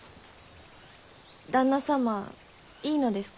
旦那様いいのですか？